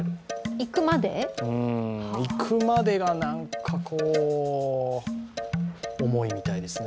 行くまでがなんかこう重いみたいですね。